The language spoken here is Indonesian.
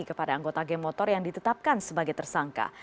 kepada anggota geng motor yang ditetapkan sebagai tersangka